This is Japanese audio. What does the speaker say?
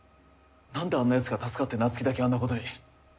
何であんなやつが助かって夏希だけあんなことに。